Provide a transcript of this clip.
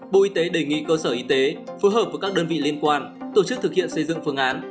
bộ y tế đề nghị cơ sở y tế phối hợp với các đơn vị liên quan tổ chức thực hiện xây dựng phương án